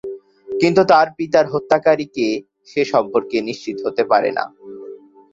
কিন্তু তার পিতার হত্যাকারী কে সে সম্পর্কে নিশ্চিত হতে পারেনা।